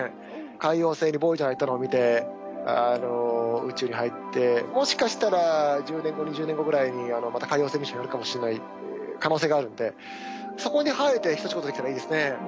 海王星にボイジャーが行ったのを見て宇宙に入ってもしかしたら１０年後２０年後ぐらいにまた海王星ミッションやるかもしれない可能性があるんでそこに入れて一仕事できたらいいですね。